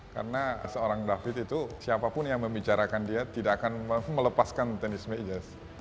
karena seorang david itu siapapun yang membicarakan dia tidak akan melepaskan tenis meja